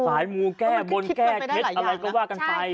มูแก้บนแก้เคล็ดอะไรก็ว่ากันไป